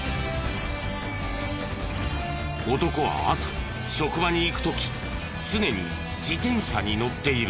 男は朝職場に行く時常に自転車に乗っている。